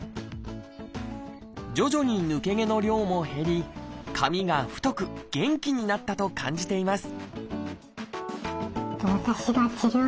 徐々に抜け毛の量も減り髪が太く元気になったと感じています